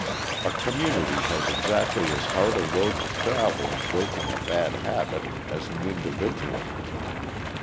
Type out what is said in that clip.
A community has exactly as hard a road to travel in breaking a bad habit as an individual.